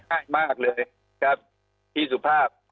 ง่ายมากเลยครับที่สุภาพ